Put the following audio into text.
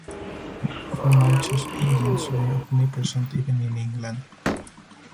Fu Manchu's agents were omnipresent even in England.